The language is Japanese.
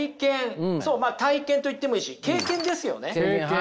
体験と言ってもいいし経験ですよね。